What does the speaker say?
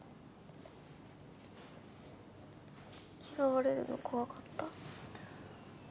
嫌われるの怖かった。